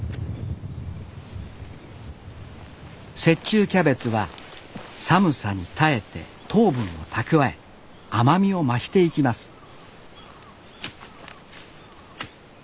雪中キャベツは寒さに耐えて糖分を蓄え甘みを増していきます